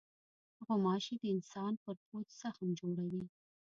غوماشې د انسان پر پوست زخم جوړوي.